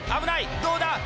どうだ？